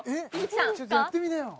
ちょっとやってみなよ